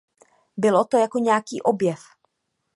Bylo to jako nějaký objev.